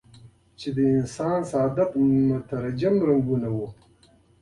چې د انسان سعادت مترجم رنګونه وو.